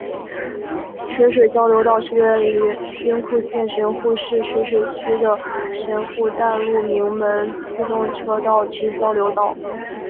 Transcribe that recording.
垂水交流道是位于兵库县神户市垂水区的神户淡路鸣门自动车道之交流道。